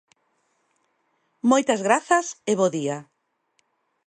Moitas grazas e bo día.